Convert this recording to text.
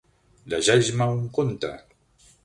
Llegeix-me un conte.